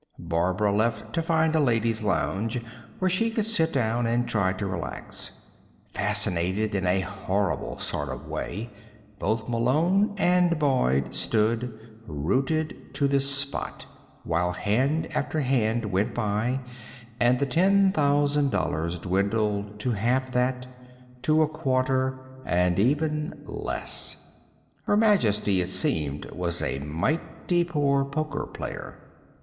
Barbara left to find a ladies' lounge where she could sit down and try to relax. Fascinated in a horrible sort of way, both Malone and Boyd stood, rooted to the spot, while hand after hand went by and the ten thousand dollars dwindled to half that, to a quarter, and even less Her Majesty, it seemed, was a mighty poor poker player.